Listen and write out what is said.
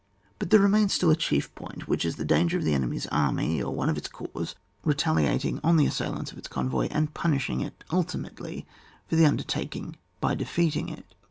But there remains still a chief point, which is the danger of the enemy's army, or one of its corps, retaliating on the as sailants of its convoy, and punishing it ultimately for the undertaking by de feating it.